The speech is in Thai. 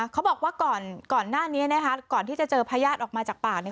เขาบอกว่าก่อนก่อนหน้านี้นะคะก่อนที่จะเจอพญาติออกมาจากป่าเนี่ย